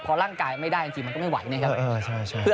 พอร่างกายไม่ได้ที่มันก็ไม่ไหวเนี่ยครับ